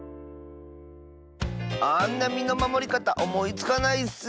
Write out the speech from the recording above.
あんなみのまもりかたおもいつかないッス！